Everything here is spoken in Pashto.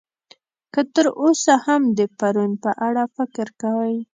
که تر اوسه هم د پرون په اړه فکر کوئ.